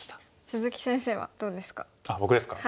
鈴木先生はどうですか？